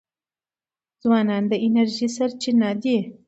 ځوانان د انرژی سرچینه دي.